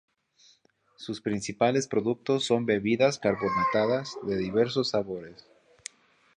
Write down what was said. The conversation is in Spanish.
Sus principales productos son bebidas carbonatadas de diversos sabores.